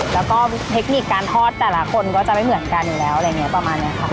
แล้วก็เทคนิคการทอดแต่ละคนก็จะไม่เหมือนกันอยู่แล้วอะไรอย่างนี้ประมาณนี้ค่ะ